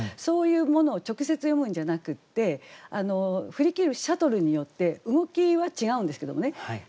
そういうものを直接詠むんじゃなくって「振り切るシャトル」によって動きは違うんですけどもね。